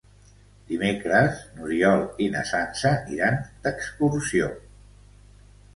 Dimecres n'Oriol i na Sança iran d'excursió.